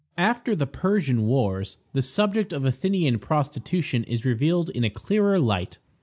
After the Persian wars, the subject of Athenian prostitution is revealed in a clearer light.